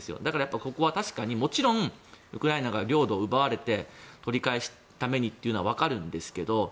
ここは確かにもちろんウクライナが領土を奪われて取り返すためにというのはわかるんですけど